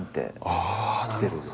あなるほど。